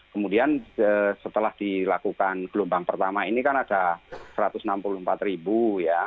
kemudian setelah dilakukan gelombang pertama ini kan ada satu ratus enam puluh empat ribu ya